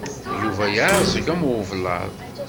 Yuba yeɛẓeg am ublaḍ.